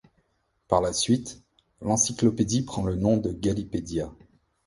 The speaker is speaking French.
Par la suite, l'encylopédie prend le nom de Galipedia.